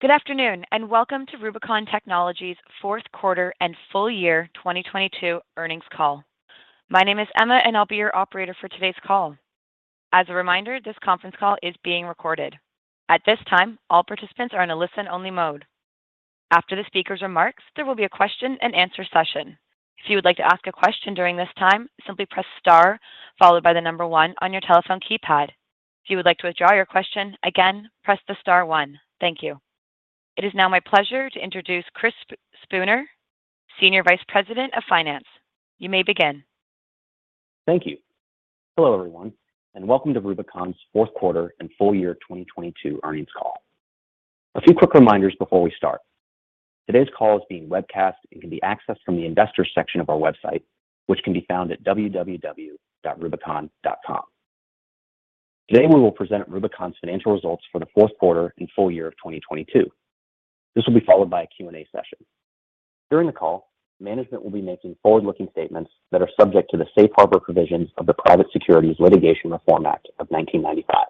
Good afternoon, welcome to Rubicon Technologies' Q4 and full year 2022 earnings call. My name is Emma, and I'll be your operator for today's call. As a reminder, this conference call is being recorded. At this time, all participants are in a listen-only mode. After the speaker's remarks, there will be a question and answer session. If you would like to ask a question during this time, simply press star one on your telephone keypad. If you would like to withdraw your question, again, press star one. Thank you. It is now my pleasure to introduce Chris Spooner, Senior Vice President of Finance. You may begin. Thank you. Hello, everyone, and welcome to Rubicon's Q4 and full year 2022 earnings call. A few quick reminders before we start. Today's call is being webcast and can be accessed from the investors section of our website, which can be found at www.rubicon.com. Today, we will present Rubicon's financial results for Q4 and full year of 2022. This will be followed by a Q&A session. During the call, management will be making forward-looking statements that are subject to the safe harbor provisions of the Private Securities Litigation Reform Act of 1995.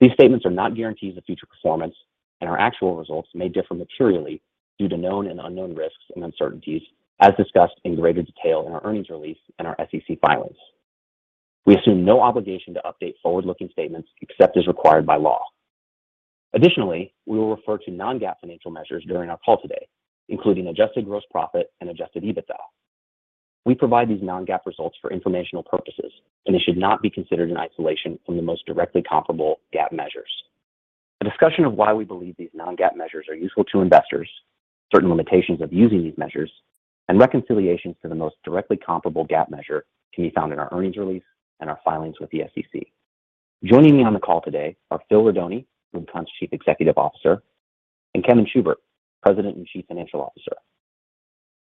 These statements are not guarantees of future performance, and our actual results may differ materially due to known and unknown risks and uncertainties, as discussed in greater detail in our earnings release and our SEC filings. We assume no obligation to update forward-looking statements except as required by law. Additionally, we will refer to non-GAAP financial measures during our call today, including adjusted gross profit and adjusted EBITDA. We provide these non-GAAP results for informational purposes, and they should not be considered in isolation from the most directly comparable GAAP measures. A discussion of why we believe these non-GAAP measures are useful to investors, certain limitations of using these measures, and reconciliations to the most directly comparable GAAP measure can be found in our earnings release and our filings with the SEC. Joining me on the call today are Phil Rodoni, Rubicon's Chief Executive Officer, and Kevin Schubert, President and Chief Financial Officer.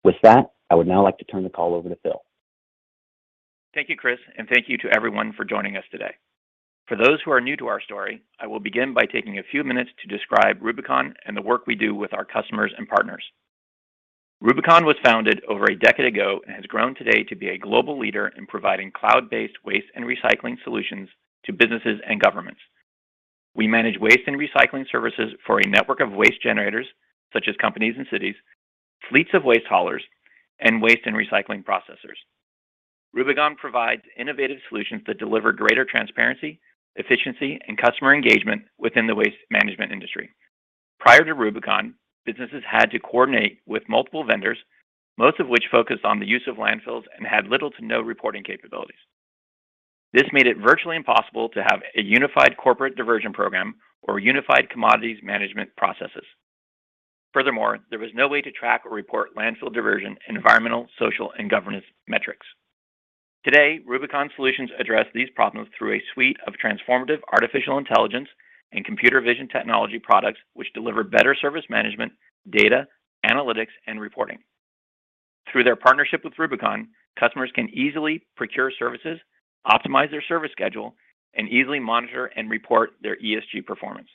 With that, I would now like to turn the call over to Phil. Thank you, Chris. Thank you to everyone for joining us today. For those who are new to our story, I will begin by taking a few minutes to describe Rubicon and the work we do with our customers and partners. Rubicon was founded over a decade ago and has grown today to be a global leader in providing cloud-based waste and recycling solutions to businesses and governments. We manage waste and recycling services for a network of waste generators, such as companies and cities, fleets of waste haulers, and waste and recycling processors. Rubicon provides innovative solutions that deliver greater transparency, efficiency, and customer engagement within the waste management industry. Prior to Rubicon, businesses had to coordinate with multiple vendors, most of which focused on the use of landfills and had little to no reporting capabilities. This made it virtually impossible to have a unified corporate diversion program or unified commodities management processes. Furthermore, there was no way to track or report landfill diversion in environmental, social, and governance metrics. Today, Rubicon solutions address these problems through a suite of transformative artificial intelligence and computer vision technology products which deliver better service management, data, analytics, and reporting. Through their partnership with Rubicon, customers can easily procure services, optimize their service schedule, and easily monitor and report their ESG performance.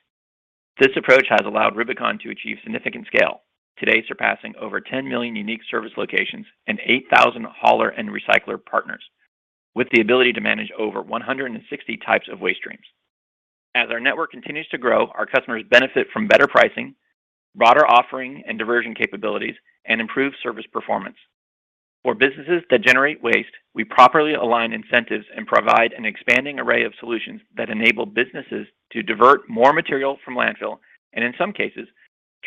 This approach has allowed Rubicon to achieve significant scale, today surpassing over 10 million unique service locations and 8,000 hauler and recycler partners, with the ability to manage over 160 types of waste streams. As our network continues to grow, our customers benefit from better pricing, broader offering and diversion capabilities, and improved service performance. For businesses that generate waste, we properly align incentives and provide an expanding array of solutions that enable businesses to divert more material from landfill and, in some cases,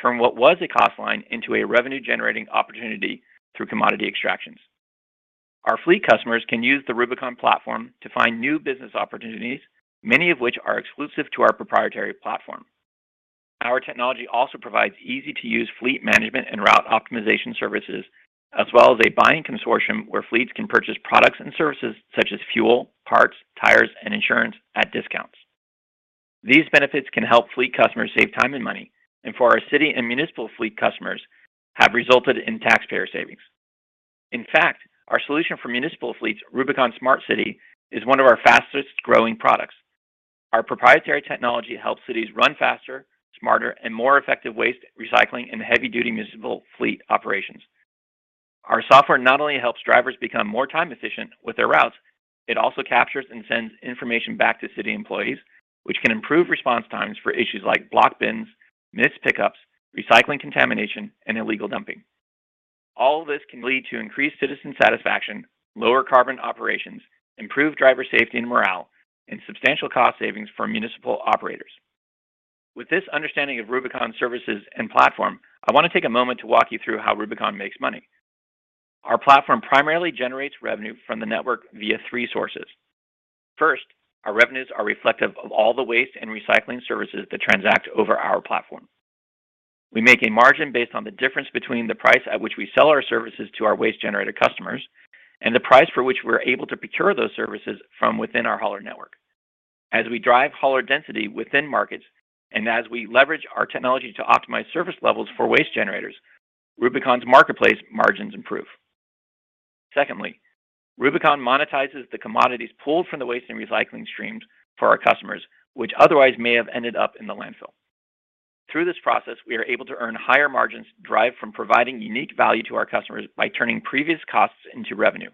turn what was a cost line into a revenue-generating opportunity through commodity extractions. Our fleet customers can use the Rubicon platform to find new business opportunities, many of which are exclusive to our proprietary platform. Our technology also provides easy-to-use fleet management and route optimization services as well as a buying consortium where fleets can purchase products and services such as fuel, parts, tires, and insurance at discounts. These benefits can help fleet customers save time and money and for our city and municipal fleet customers have resulted in taxpayer savings. In fact, our solution for municipal fleets, RUBICONSmartCity, is one of our fastest-growing products. Our proprietary technology helps cities run faster, smarter, and more effective waste, recycling, and heavy-duty municipal fleet operations. Our software not only helps drivers become more time efficient with their routes, it also captures and sends information back to city employees, which can improve response times for issues like blocked bins, missed pickups, recycling contamination, and illegal dumping. All this can lead to increased citizen satisfaction, lower carbon operations, improved driver safety and morale, and substantial cost savings for municipal operators. With this understanding of Rubicon services and platform, I want to take a moment to walk you through how Rubicon makes money. Our platform primarily generates revenue from the network via three sources. First, our revenues are reflective of all the waste and recycling services that transact over our platform. We make a margin based on the difference between the price at which we sell our services to our waste generator customers and the price for which we're able to procure those services from within our hauler network. As we drive hauler density within markets, and as we leverage our technology to optimize service levels for waste generators, Rubicon's marketplace margins improve. Secondly, Rubicon monetizes the commodities pulled from the waste and recycling streams for our customers, which otherwise may have ended up in the landfill. Through this process, we are able to earn higher margins derived from providing unique value to our customers by turning previous costs into revenue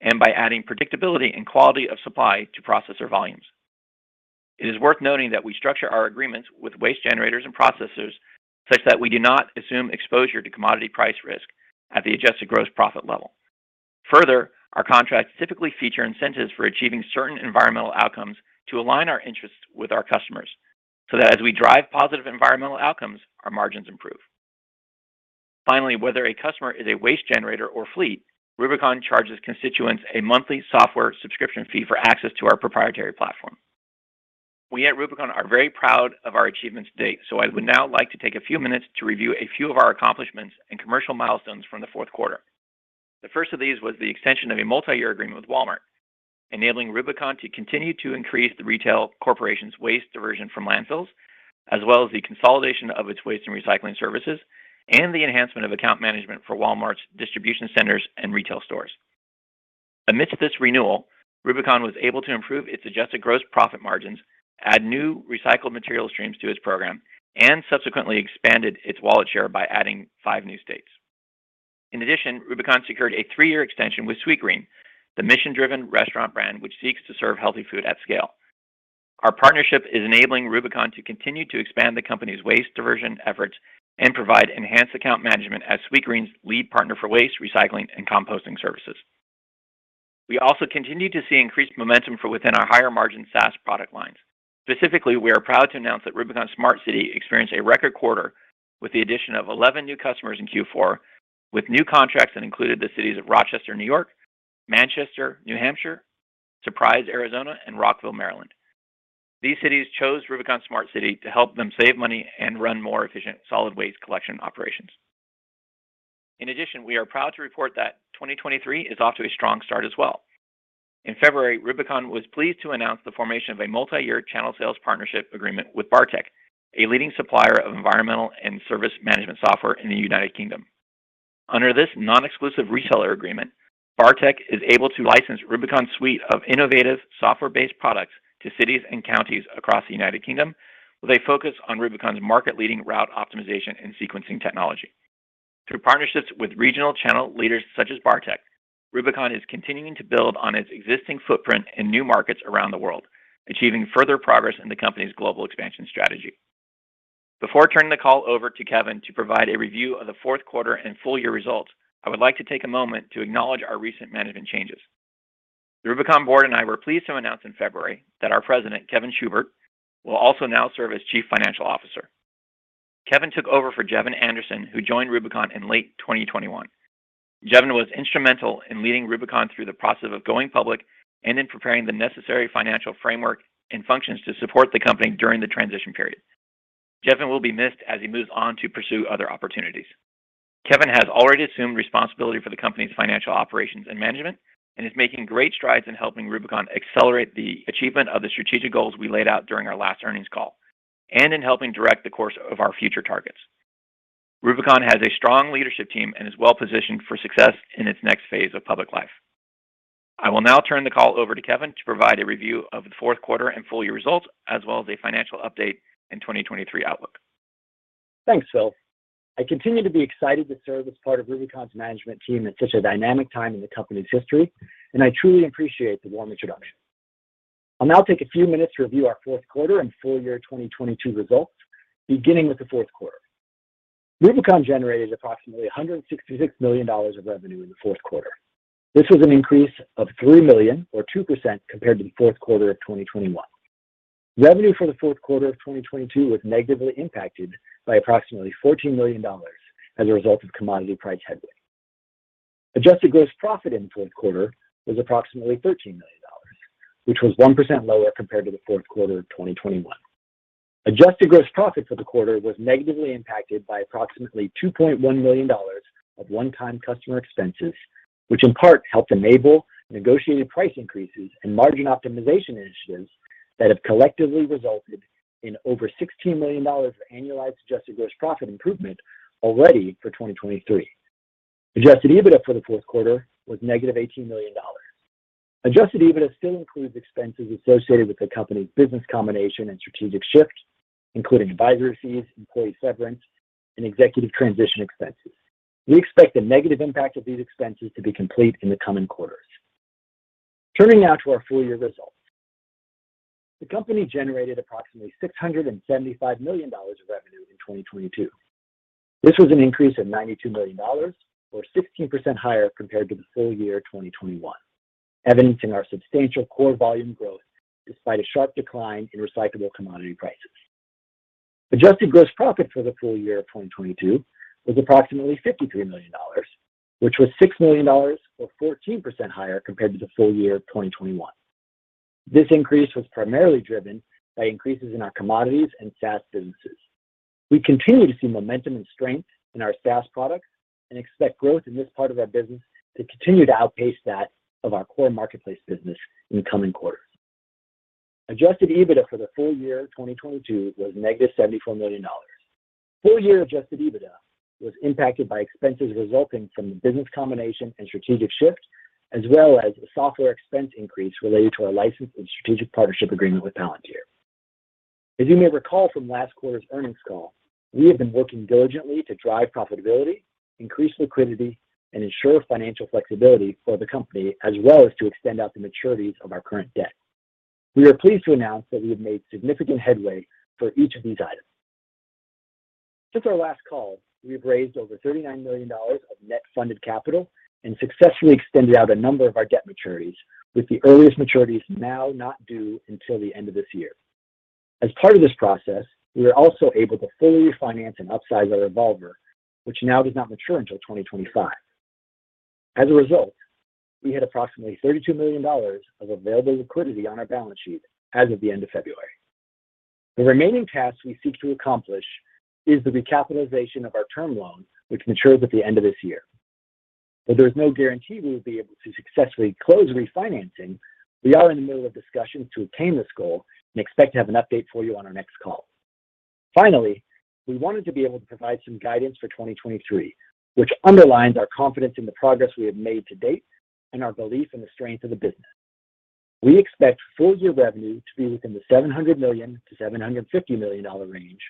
and by adding predictability and quality of supply to processor volumes. It is worth noting that we structure our agreements with waste generators and processors such that we do not assume exposure to commodity price risk at the adjusted gross profit level. Our contracts typically feature incentives for achieving certain environmental outcomes to align our interests with our customers so that as we drive positive environmental outcomes, our margins improve. Whether a customer is a waste generator or fleet, Rubicon charges constituents a monthly software subscription fee for access to our proprietary platform. We at Rubicon are very proud of our achievements to date, so I would now like to take a few minutes to review a few of our accomplishments and commercial milestones from Q4. The first of these was the extension of a multi-year agreement with Walmart, enabling Rubicon to continue to increase the retail corporation's waste diversion from landfills, as well as the consolidation of its waste and recycling services and the enhancement of account management for Walmart's distribution centers and retail stores. Amidst this renewal, Rubicon was able to improve its adjusted gross profit margins, add new recycled material streams to its program, and subsequently expanded its wallet share by adding five new states. Rubicon secured a three-year extension with Sweetgreen, the mission-driven restaurant brand which seeks to serve healthy food at scale. Our partnership is enabling Rubicon to continue to expand the company's waste diversion efforts and provide enhanced account management as Sweetgreen's lead partner for waste, recycling, and composting services. We also continue to see increased momentum within our higher-margin SaaS product lines. Specifically, we are proud to announce that RUBICONSmartCity experienced a record quarter with the addition of 11 new customers in Q4 with new contracts that included the cities of Rochester, New York, Manchester, New Hampshire, Surprise, Arizona, and Rockville, Maryland. These cities chose RUBICONSmartCity to help them save money and run more efficient solid waste collection operations. In addition, we are proud to report that 2023 is off to a strong start as well. In February, Rubicon was pleased to announce the formation of a multi-year channel sales partnership agreement with Bartec, a leading supplier of environmental and service management software in the United Kingdom. Under this non-exclusive reseller agreement, Bartec is able to license Rubicon's suite of innovative software-based products to cities and counties across the United Kingdom, with a focus on Rubicon's market-leading route optimization and sequencing technology. Through partnerships with regional channel leaders such as Bartec, Rubicon is continuing to build on its existing footprint in new markets around the world, achieving further progress in the company's global expansion strategy. Before turning the call over to Kevin to provide a review of Q4 and full-year results, I would like to take a moment to acknowledge our recent management changes. The Rubicon board and I were pleased to announce in February that our President Kevin Schubert will also now serve as Chief Financial Officer. Kevin took over for Jevin Anderson, who joined Rubicon in late 2021. Jevin was instrumental in leading Rubicon through the process of going public and in preparing the necessary financial framework and functions to support the company during the transition period. Jevin will be missed as he moves on to pursue other opportunities. Kevin has already assumed responsibility for the company's financial operations and management and is making great strides in helping Rubicon accelerate the achievement of the strategic goals we laid out during our last earnings call and in helping direct the course of our future targets. Rubicon has a strong leadership team and is well-positioned for success in its next phase of public life. I will now turn the call over to Kevin to provide a review of Q4 and full-year results, as well as a financial update in 2023 outlook. Thanks, Phil. I continue to be excited to serve as part of Rubicon's management team at such a dynamic time in the company's history, and I truly appreciate the warm introduction. I'll now take a few minutes to review our Q4 and full year 2022 results, beginning with Q4. Rubicon generated approximately $166 million of revenue in Q4. This was an increase of $3 million or 2% compared to Q4 of 2021. Revenue for Q4 of 2022 was negatively impacted by approximately $14 million as a result of commodity price headwind. Adjusted gross profit in Q4 was approximately $13 million, which was 1% lower compared to Q4 of 2021. Adjusted gross profit for the quarter was negatively impacted by approximately $2.1 million of one-time customer expenses, which in part helped enable negotiated price increases and margin optimization initiatives that have collectively resulted in over $16 million of annualized adjusted gross profit improvement already for 2023. Adjusted EBITDA for Q4 was negative $18 million. Adjusted EBITDA still includes expenses associated with the company's business combination and strategic shift, including advisory fees, employee severance, and executive transition expenses. We expect the negative impact of these expenses to be complete in the coming quarters. Turning now to our full-year results. The company generated approximately $675 million of revenue in 2022. This was an increase of $92 million or 16% higher compared to the full year 2021, evidencing our substantial core volume growth despite a sharp decline in recyclable commodity prices. Adjusted gross profit for the full year of 2022 was approximately $53 million, which was $6 million or 14% higher compared to the full year of 2021. This increase was primarily driven by increases in our commodities and SaaS businesses. We continue to see momentum and strength in our SaaS products and expect growth in this part of our business to continue to outpace that of our core marketplace business in the coming quarters. Adjusted EBITDA for the full year of 2022 was negative $74 million. Full-year adjusted EBITDA was impacted by expenses resulting from the business combination and strategic shift, as well as a software expense increase related to our license and strategic partnership agreement with Palantir. You may recall from last quarter's earnings call, we have been working diligently to drive profitability, increase liquidity, and ensure financial flexibility for the company, as well as to extend out the maturities of our current debt. We are pleased to announce that we have made significant headway for each of these items. Since our last call, we have raised over $39 million of net funded capital and successfully extended out a number of our debt maturities, with the earliest maturities now not due until the end of this year. Part of this process, we are also able to fully refinance and upsize our revolver, which now does not mature until 2025. We had approximately $32 million of available liquidity on our balance sheet as of the end of February. The remaining task we seek to accomplish is the recapitalization of our term loan, which matures at the end of this year. There is no guarantee we will be able to successfully close refinancing. We are in the middle of discussions to attain this goal and expect to have an update for you on our next call. We wanted to be able to provide some guidance for 2023, which underlines our confidence in the progress we have made to date and our belief in the strength of the business. We expect full year revenue to be within the $700 million-$750 million range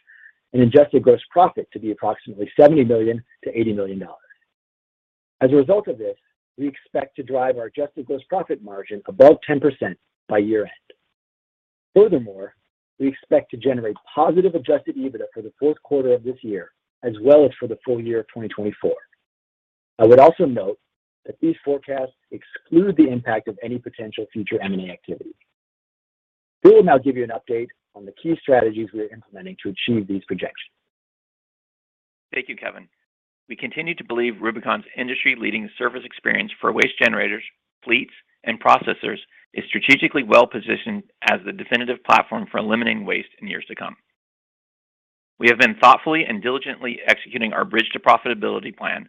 and adjusted gross profit to be approximately $70 million-$80 million. As a result of this, we expect to drive our adjusted gross profit margin above 10% by year end. We expect to generate positive adjusted EBITDA for Q4 of this year as well as for the full year of 2024. I would also note that these forecasts exclude the impact of any potential future M&A activity. We will now give you an update on the key strategies we are implementing to achieve these projections. Thank you, Kevin. We continue to believe Rubicon's industry-leading service experience for waste generators, fleets, and processors is strategically well-positioned as the definitive platform for eliminating waste in years to come. We have been thoughtfully and diligently executing our bridge to profitability plan,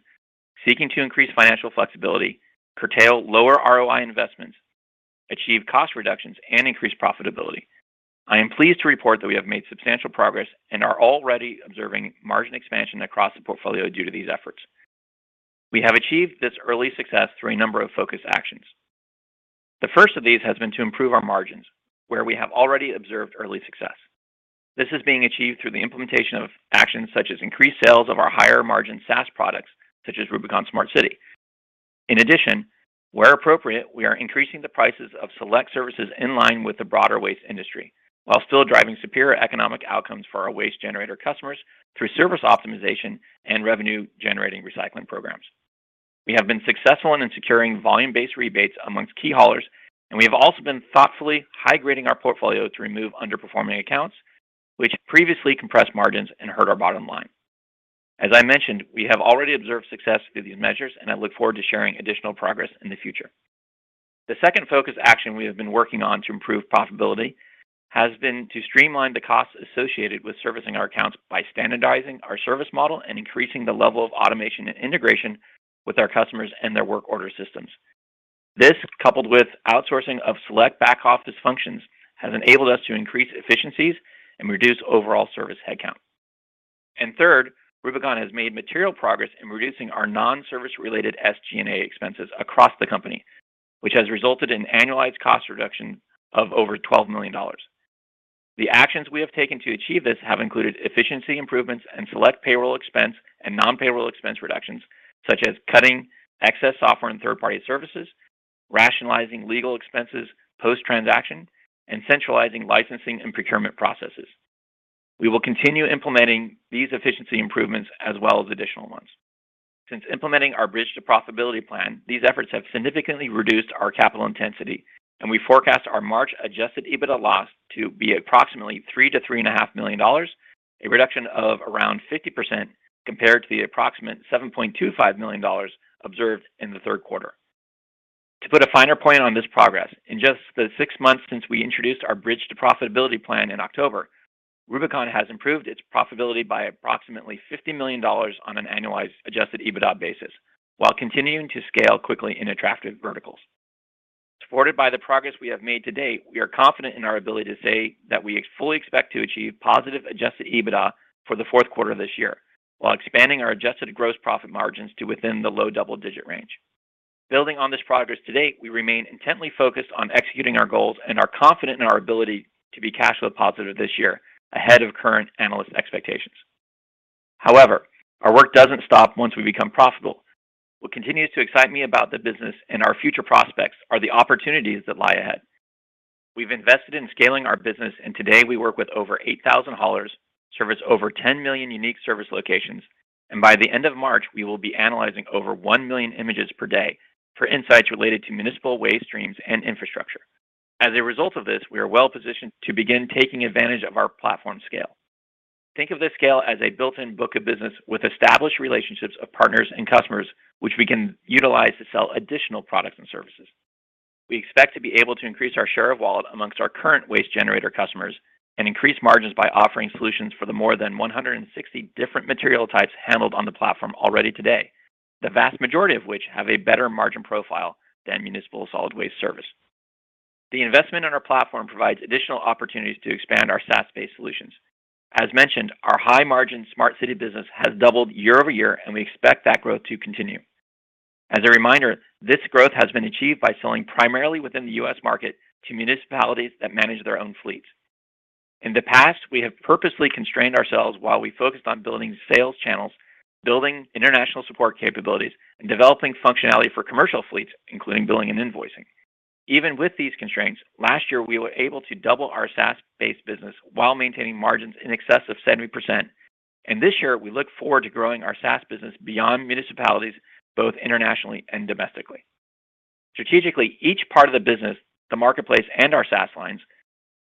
seeking to increase financial flexibility, curtail lower ROI investments, achieve cost reductions, and increase profitability. I am pleased to report that we have made substantial progress and are already observing margin expansion across the portfolio due to these efforts. We have achieved this early success through a number of focus actions. The first of these has been to improve our margins, where we have already observed early success. This is being achieved through the implementation of actions such as increased sales of our higher margin SaaS products, such as RUBICONSmartCity. Where appropriate, we are increasing the prices of select services in line with the broader waste industry, while still driving superior economic outcomes for our waste generator customers through service optimization and revenue-generating recycling programs. We have been successful in securing volume-based rebates amongst key haulers. We have also been thoughtfully high-grading our portfolio to remove underperforming accounts, which previously compressed margins and hurt our bottom line. As I mentioned, we have already observed success through these measures. I look forward to sharing additional progress in the future. The second focus action we have been working on to improve profitability has been to streamline the costs associated with servicing our accounts by standardizing our service model and increasing the level of automation and integration with our customers and their work order systems. This, coupled with outsourcing of select back-office functions, has enabled us to increase efficiencies and reduce overall service headcount. Third, Rubicon has made material progress in reducing our non-service related SG&A expenses across the company, which has resulted in annualized cost reduction of over $12 million. The actions we have taken to achieve this have included efficiency improvements and select payroll expense and non-payroll expense reductions, such as cutting excess software and third-party services, rationalizing legal expenses post-transaction, and centralizing licensing and procurement processes. We will continue implementing these efficiency improvements as well as additional ones. Since implementing our bridge to profitability plan, these efforts have significantly reduced our capital intensity, and we forecast our March adjusted EBITDA loss to be approximately $3 million-$3.5 million, a reduction of around 50% compared to the approximate $7.25 million observed in Q3. To put a finer point on this progress, in just the six months since we introduced our bridge to profitability plan in October, Rubicon has improved its profitability by approximately $50 million on an annualized adjusted EBITDA basis while continuing to scale quickly in attractive verticals. Supported by the progress we have made to date, we are confident in our ability to say that we fully expect to achieve positive adjusted EBITDA for Q4 of this year while expanding our adjusted gross profit margins to within the low double-digit range. Building on this progress to date, we remain intently focused on executing our goals and are confident in our ability to be cash flow positive this year ahead of current analyst expectations. However, our work doesn't stop once we become profitable. What continues to excite me about the business and our future prospects are the opportunities that lie ahead. We've invested in scaling our business, and today we work with over 8,000 haulers, service over 10 million unique service locations, and by the end of March, we will be analyzing over one million images per day for insights related to municipal waste streams and infrastructure. As a result of this, we are well-positioned to begin taking advantage of our platform scale. Think of this scale as a built-in book of business with established relationships of partners and customers, which we can utilize to sell additional products and services. We expect to be able to increase our share of wallet amongst our current waste generator customers and increase margins by offering solutions for the more than 160 different material types handled on the platform already today, the vast majority of which have a better margin profile than municipal solid waste service. The investment in our platform provides additional opportunities to expand our SaaS-based solutions. As mentioned, our high-margin Smart City business has doubled year-over-year, and we expect that growth to continue. As a reminder, this growth has been achieved by selling primarily within the U.S. market to municipalities that manage their own fleets. In the past, we have purposely constrained ourselves while we focused on building sales channels, building international support capabilities, and developing functionality for commercial fleets, including billing and invoicing. Even with these constraints, last year, we were able to double our SaaS-based business while maintaining margins in excess of 70%. This year, we look forward to growing our SaaS business beyond municipalities, both internationally and domestically. Strategically, each part of the business, the marketplace, and our SaaS lines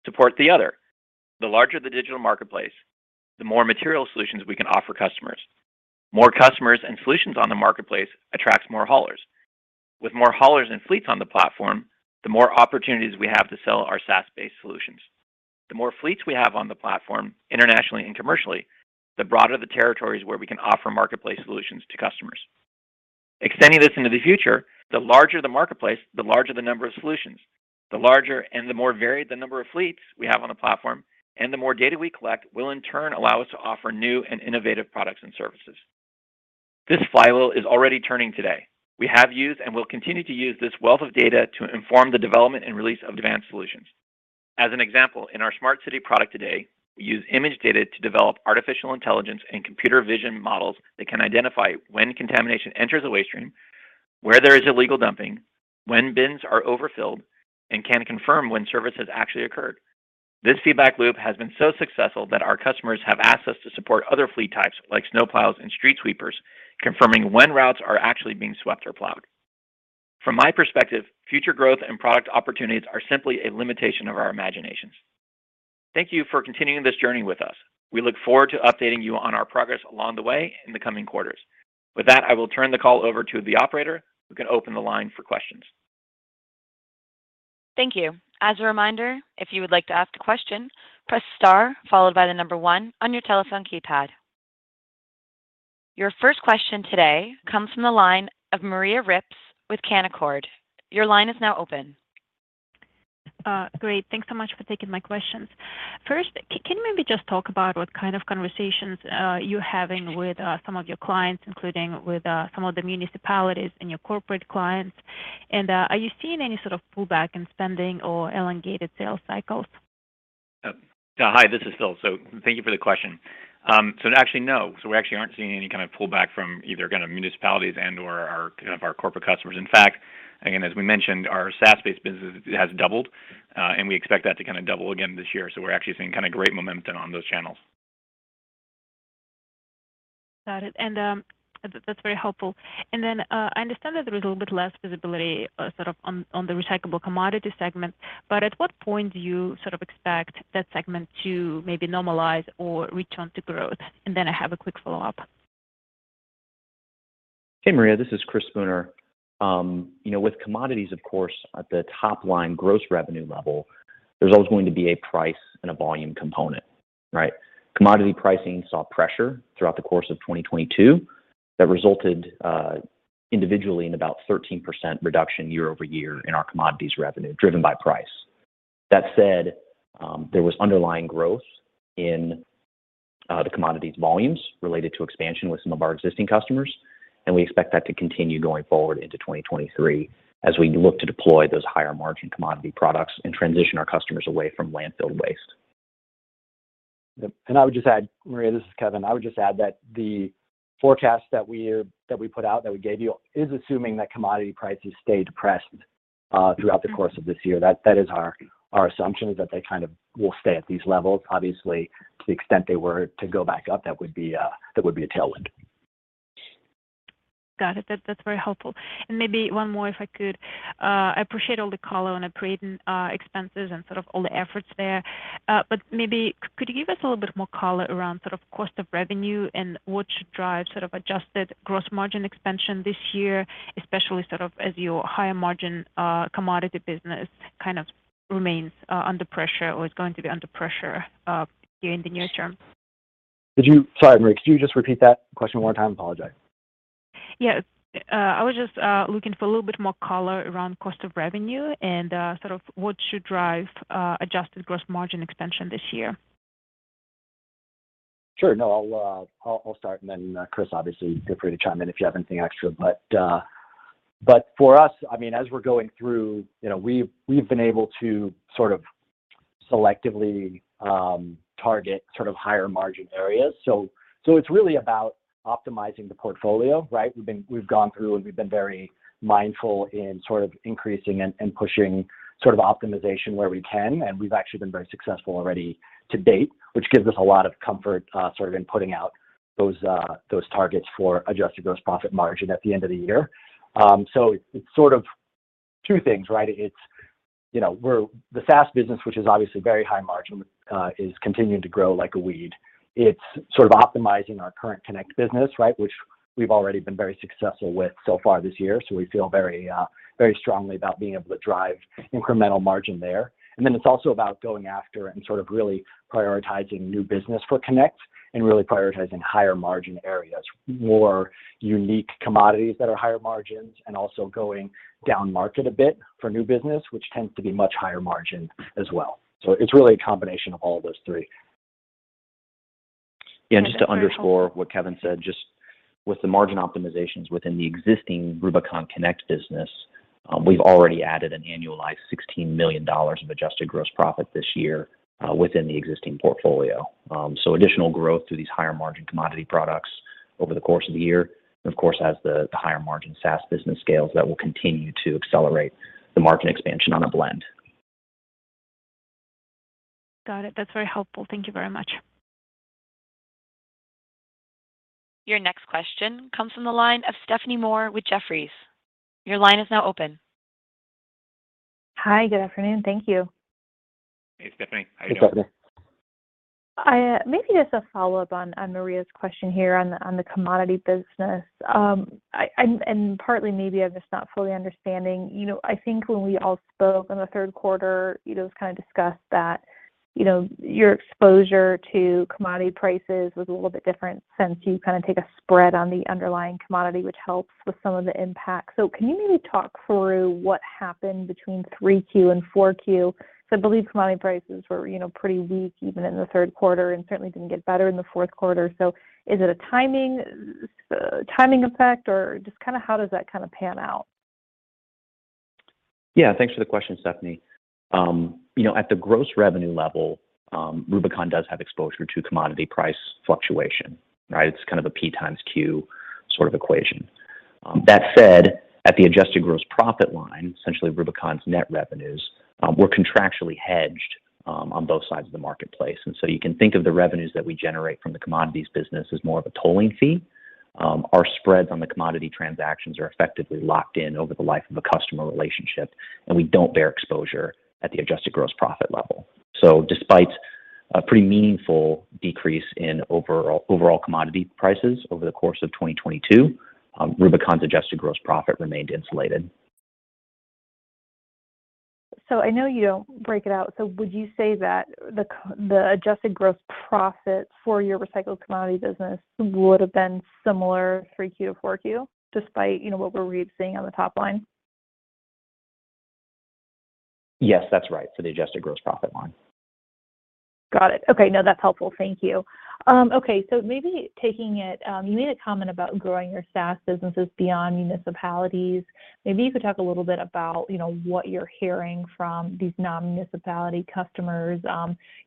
support the other. The larger the digital marketplace, the more material solutions we can offer customers. More customers and solutions on the marketplace attracts more haulers. With more haulers and fleets on the platform, the more opportunities we have to sell our SaaS-based solutions. The more fleets we have on the platform internationally and commercially, the broader the territories where we can offer marketplace solutions to customers. Extending this into the future, the larger the marketplace, the larger the number of solutions. The larger and the more varied the number of fleets we have on the platform and the more data we collect will in turn allow us to offer new and innovative products and services. This flywheel is already turning today. We have used and will continue to use this wealth of data to inform the development and release of advanced solutions. As an example, in our Smart City product today, we use image data to develop artificial intelligence and computer vision models that can identify when contamination enters a waste stream, where there is illegal dumping, when bins are overfilled, and can confirm when service has actually occurred. This feedback loop has been so successful that our customers have asked us to support other fleet types like snowplows and street sweepers, confirming when routes are actually being swept or plowed. From my perspective, future growth and product opportunities are simply a limitation of our imaginations. Thank you for continuing this journey with us. We look forward to updating you on our progress along the way in the coming quarters. I will turn the call over to the operator who can open the line for questions. Thank you. As a reminder, if you would like to ask a question, press star followed by the number one on your telephone keypad. Your first question today comes from the line of Maria Ripps with Canaccord. Your line is now open. Great. Thanks so much for taking my questions. First, can you maybe just talk about what conversations you're having with some of your clients, including with some of the municipalities and your corporate clients? Are you seeing any pullback in spending or elongated sales cycles? Hi, this is Phil. Thank you for the question. Actually, no. We actually aren't seeing any pullback from either municipalities and/or our, our corporate customers. In fact, again, as we mentioned, our SaaS-based business has doubled, and we expect that to double again this year. We're actually seeing kinda great momentum on those channels. Got it. That's very helpful. I understand that there is a little bit less visibility on the recyclable commodity segment, but at what point do you expect that segment to maybe normalize or return to growth? I have a quick follow-up. Hey, Maria, this is Chris Spooner. With commodities, of course, at the top line gross revenue level, there's always going to be a price and a volume component, right? Commodity pricing saw pressure throughout the course of 2022 that resulted, individually in about 13% reduction year-over-year in our commodities revenue, driven by price. That said, there was underlying growth in the commodities volumes related to expansion with some of our existing customers, we expect that to continue going forward into 2023 as we look to deploy those higher-margin commodity products and transition our customers away from landfill waste. Yes. Maria, this is Kevin. I would just add that the forecast that we put out, that we gave you is assuming that commodity prices stay depressed throughout the course of this year. That is our assumption is that they will stay at these levels. Obviously, to the extent they were to go back up, that would be a tailwind. Got it. That's very helpful. Maybe one more, if I could. I appreciate all the color on operating expenses and all the efforts there. Maybe could you give us a little bit more color around cost of revenue and what should drive adjusted gross margin expansion this year, especially as your higher-margin commodity business remains under pressure or is going to be under pressure during the near term? Sorry, Maria, could you just repeat that question one more time? I apologize. I was just looking for a little bit more color around cost of revenue and what should drive adjusted gross margin expansion this year. Sure. No, I'll start. Chris, obviously feel free to chime in if you have anything extra. For us, as we're going through, we've been able to selectively target higher-margin areas. It's really about optimizing the portfolio, right? We've gone through and we've been very mindful in increasing and pushing optimization where we can, and we've actually been very successful already to date, which gives us a lot of comfort in putting out those targets for adjusted gross profit margin at the end of the year. It's two things, right? The SaaS business, which is obviously very high margin, is continuing to grow like a weed. It's optimizing our current Connect business, right? Which we've already been very successful with so far this year. We feel very strongly about being able to drive incremental margin there. It's also about going after and really prioritizing new business for Connect and really prioritizing higher-margin areas, more unique commodities that are higher margins, and also going down market a bit for new business, which tends to be much higher margin as well. It's really a combination of all those three. Just to underscore what Kevin said, just with the margin optimizations within the existing Rubicon Connect business, we've already added an annualized $16 million of adjusted gross profit this year within the existing portfolio. Additional growth through these higher margin commodity products over the course of the year, and of course, as the higher margin SaaS business scales, that will continue to accelerate the margin expansion on a blend. Got it. That's very helpful. Thank you very much. Your next question comes from the line of Stephanie Moore with Jefferies. Your line is now open. Hi, good afternoon. Thank you. Hey, Stephanie. How you doing? Hey, Stephanie. Maybe just a follow-up on Maria's question here on the commodity business and partly maybe I'm just not fully understanding. I think when we all spoke in Q3, it was discussed that your exposure to commodity prices was a little bit different since you take a spread on the underlying commodity, which helps with some of the impact. Can you maybe talk through what happened between Q3 and Q3? I believe commodity prices were, pretty weak even in Q3, and certainly didn't get better in Q4. Is it a timing effect or just how does that pan out? Yes. Thanks for the question, Stephanie. At the gross revenue level, Rubicon does have exposure to commodity price fluctuation, right? It's a P times Q equation. That said, at the adjusted gross profit line, essentially Rubicon's net revenues, we're contractually hedged on both sides of the marketplace. You can think of the revenues that we generate from the commodities business as more of a tolling fee. Our spreads on the commodity transactions are effectively locked in over the life of a customer relationship, and we don't bear exposure at the adjusted gross profit level. Despite a pretty meaningful decrease in overall commodity prices over the course of 2022, Rubicon's adjusted gross profit remained insulated. I know you don't break it out. Would you say that the adjusted gross profit for your recycled commodity business would have been similar Q3 to Q4, despite, what we're seeing on the top line? Yes, that's right. The adjusted gross profit line. Got it. Okay. That's helpful. Thank you. Okay. Maybe taking it, you made a comment about growing your SaaS businesses beyond municipalities. Maybe you could talk a little bit about, what you're hearing from these non-municipality customers,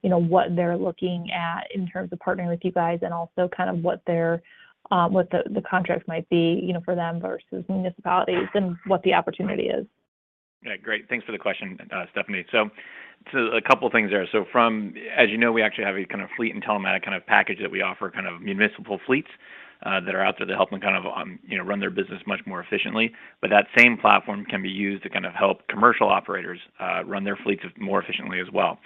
what they're looking at in terms of partnering with you guys and also what the contract might be for them versus municipalities and what the opportunity is. Yes, great. Thanks for the question, Stephanie. A couple things there. As you know we actually have a fleet and telematic package that we offer municipal fleets that are out there to help them, run their business much more efficiently. That same platform can be used to help commercial operators run their fleets more efficiently as well.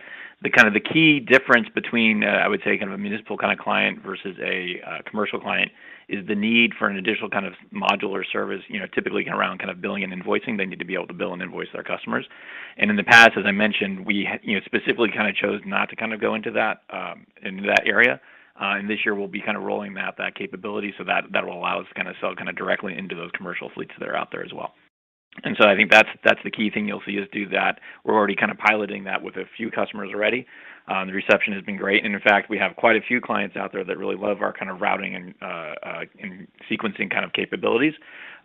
The key difference between, I would say a municipal client versus a commercial client is the need for an additional modular service, typically around billing and invoicing. They need to be able to bill and invoice their customers. In the past, as I mentioned, we specifically chose not to go into that area. This year we'll be rolling out that capability so that will allow us to directly into those commercial fleets that are out there as well. I think that's the key thing you'll see us do that. We're already piloting that with a few customers already. The reception has been great. In fact, we have quite a few clients out there that really love our routing and sequencing capabilities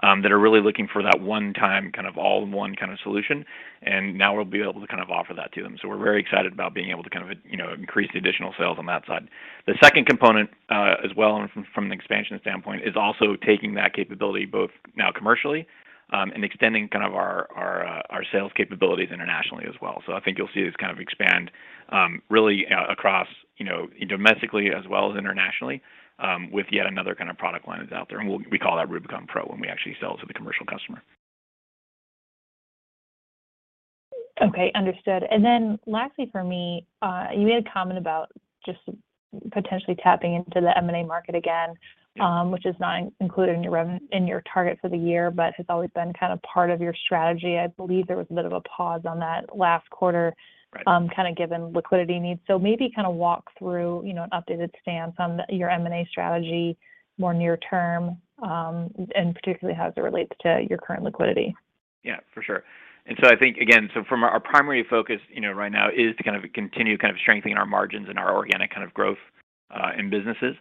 that are really looking for that one-time all-in-one solution. Now we'll be able to offer that to them. We're very excited about being able to increase the additional sales on that side. The second component as well from an expansion standpoint is also taking that capability both now commercially and extending our sales capabilities internationally as well. I think you'll see this expand really across domestically as well as internationally with yet another product line that's out there. We call that Rubicon Pro when we actually sell to the commercial customer. Okay. Understood. Lastly for me, you made a comment about just potentially tapping into the M&A market again, which is not included in your target for the year, but has always been part of your strategy. I believe there was a bit of a pause on that last quarter given liquidity needs. Maybe walk through, an updated stance on your M&A strategy more near term, and particularly as it relates to your current liquidity. Yes, for sure. I think, again, our primary focus right now is to continue strengthening our margins and our organic growth in businesses.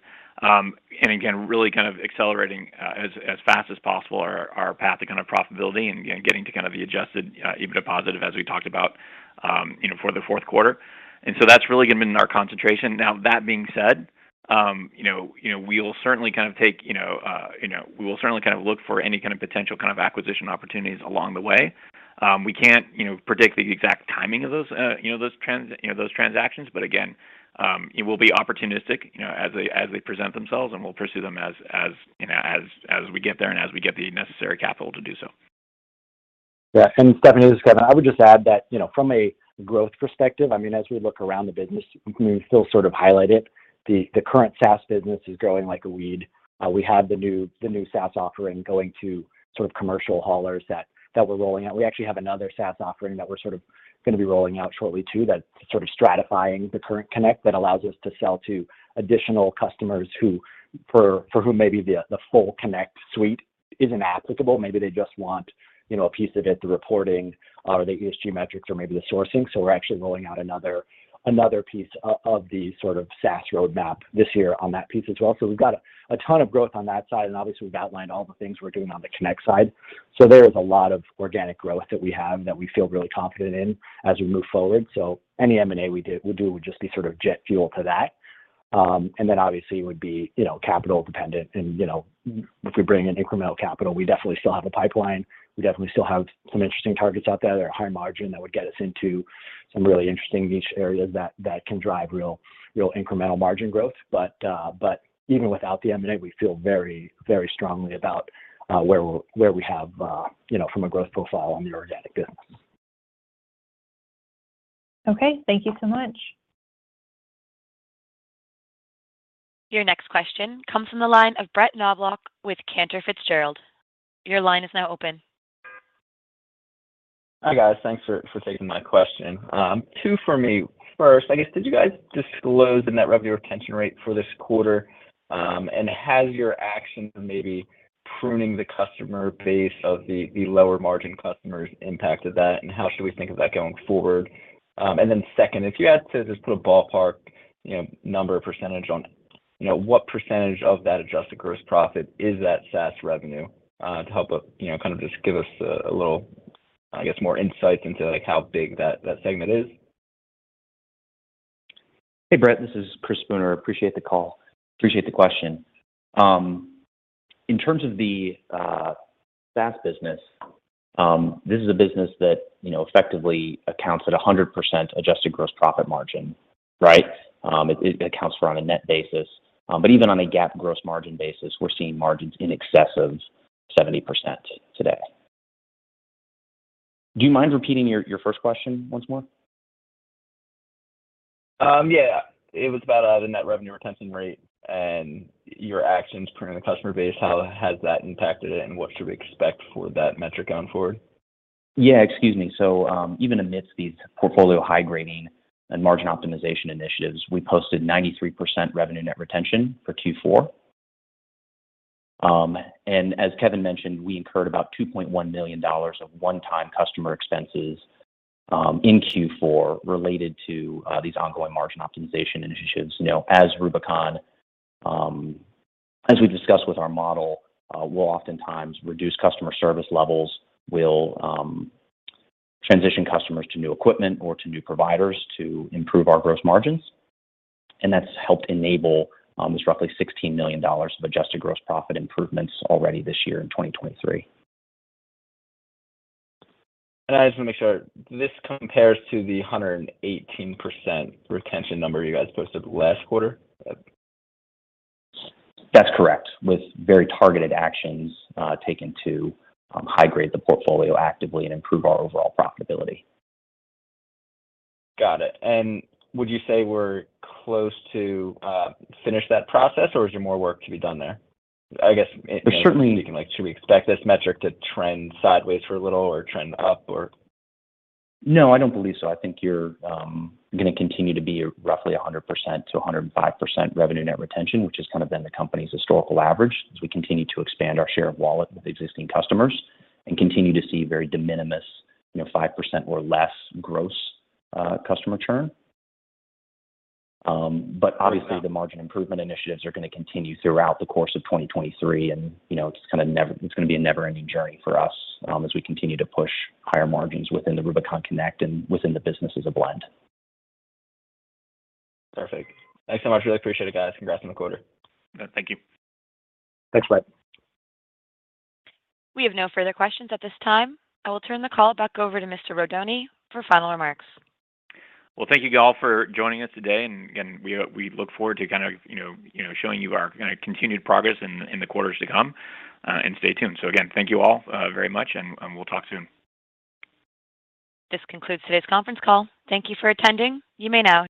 Accelerating as fast as possible our path to profitability and getting to the adjusted EBITDA positive as we talked about for Q4. That's really going to been our concentration. Now that being said, we will certainly look for any potential acquisition opportunities along the way. We can't predict the exact timing of those transactions. Again, it will be opportunistic, as they present themselves, and we'll pursue them as we get there and as we get the necessary capital to do so. Yes. Stephanie, this is Kevin. I would just add that, from a growth perspective, as we look around the business, we still highlight it. The current SaaS business is growing like a weed. We have the new SaaS offering going to commercial haulers that we're rolling out. We actually have another SaaS offering that we're going to be rolling out shortly too that's stratifying the current Connect that allows us to sell to additional customers for who maybe the full Connect suite isn't applicable. Maybe they just want a piece of it, the reporting or the ESG metrics or maybe the sourcing. We're actually rolling out another piece of the SaaS roadmap this year on that piece as well. We've got a ton of growth on that side, and obviously, we've outlined all the things we're doing on the Connect side. There is a lot of organic growth that we have that we feel really confident in as we move forward. Any M&A we do would just be jet fuel to that. Obviously, it would be capital dependent and if we bring in incremental capital, we definitely still have a pipeline. We definitely still have some interesting targets out there that are high margin that would get us into some really interesting niche areas that can drive real incremental margin growth. Even without the M&A, we feel very strongly about where we have, from a growth profile on the organic business. Okay. Thank you so much. Your next question comes from the line of Brett Knobloch with Cantor Fitzgerald. Your line is now open. Hi, guys. Thanks for taking my question. Two for me. First, did you guys disclose the net revenue retention rate for this quarter? Has your action of maybe pruning the customer base of the lower margin customers impacted that? How should we think of that going forward? Then second, if you had to just put a ballpark, number or percentage on, what percentage of that adjusted gross profit is that SaaS revenue to just give us a little more insights into how big that segment is? Hey, Brett. This is Chris Spooner. Appreciate the call. Appreciate the question. In terms of the SaaS business, this is a business that effectively accounts at a 100% adjusted gross profit margin, right? It accounts for on a net basis but even on a GAAP gross margin basis, we're seeing margins in excess of 70% today. Do you mind repeating your first question once more? Yes. It was about the net revenue retention rate and your actions pruning the customer base. How has that impacted it, and what should we expect for that metric going forward? Yes. Excuse me. Even amidst these portfolio high grading and margin optimization initiatives, we posted 93% revenue net retention for Q4. As Kevin mentioned, we incurred about $2.1 million of one-time customer expenses in Q4 related to these ongoing margin optimization initiatives. As Rubicon, as we discussed with our model, we'll oftentimes reduce customer service levels. We'll transition customers to new equipment or to new providers to improve our gross margins. That's helped enable this roughly $16 million of adjusted gross profit improvements already this year in 2023. I just want to make sure. This compares to the 118% retention number you guys posted last quarter? That's correct. With very targeted actions, taken to high grade the portfolio actively and improve our overall profitability. Got it. Would you say we're close to finish that process, or is there more work to be done there? Should we expect this metric to trend sideways for a little or trend up or? No, I don't believe so. I think you're going to continue to be roughly 100%-105% net revenue retention, which has been the company's historical average as we continue to expand our share of wallet with existing customers and continue to see very de minimis, 5% or less gross customer churn. Obviously the margin improvement initiatives are going to continue throughout the course of 2023. It's going to be a never-ending journey for us as we continue to push higher margins within the Rubicon Connect and within the business as a blend. Perfect. Thanks so much. Really appreciate it, guys. Congrats on the quarter. Thank you. Thanks, Brett. We have no further questions at this time. I will turn the call back over to Mr. Rodoni for final remarks. Thank you all for joining us today. We look forward to showing you our continued progress in the quarters to come. Stay tuned. Thank you all very much and we'll talk soon. This concludes today's conference call. Thank you for attending. You may now...